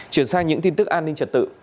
chuyển sang những tin tức an ninh trật tự